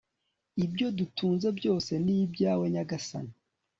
ibyo dutunze byose ni ibyawe, nyagasani